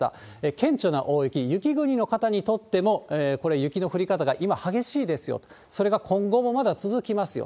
顕著な大雪、雪国の方にとっても、これ、雪の降り方が今、激しいですよ、それが今後もまだ続きますよ。